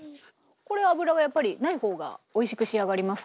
これ油がやっぱりない方がおいしく仕上がりますか？